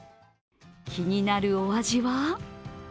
気になるお味は？